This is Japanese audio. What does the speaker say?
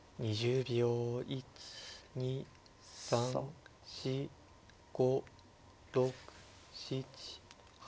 １２３４５６７８。